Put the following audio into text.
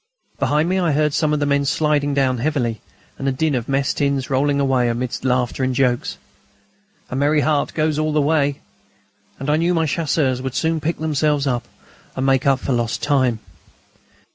Behind me I heard some of the men sliding down heavily, and a din of mess tins rolling away amidst laughter and jokes. "A merry heart goes all the way," and I knew my Chasseurs would soon pick themselves up and make up for lost time.